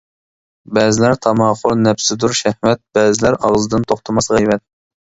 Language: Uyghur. بەزىلەر تاماخور نەپسىدۇر شەھۋەت، بەزىلەر ئاغزىدىن توختىماس غەيۋەت.